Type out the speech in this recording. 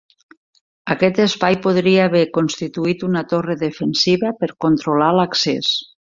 Aquest espai podria haver constituït una torre defensiva per controlar l'accés.